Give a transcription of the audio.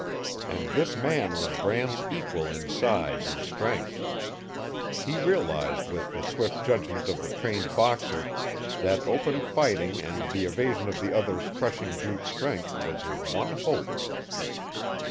And this man was Bram's equal in size and strength. He realized with the swift judgment of the trained boxer that open fighting and the evasion of the other's crushing brute strength was his one hope.